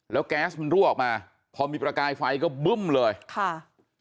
แล้วแก๊สมันรั่วออกมาพอมีประกายไฟก็บึ้มเลยค่ะ